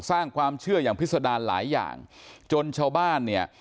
สร้างความเชื่ออย่างพิษดารหลายอย่างจนชาวบ้านเนี่ย